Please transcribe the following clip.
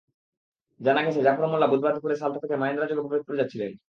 জানা গেছে, জাফর মোল্লা বুধবার দুপুরে সালথা থেকে মাহেন্দ্রযোগে ফরিদপুর যাচ্ছিলেন।